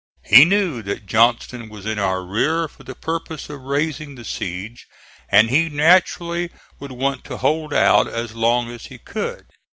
He knew that Johnston was in our rear for the purpose of raising the siege, and he naturally would want to hold out as long as he could.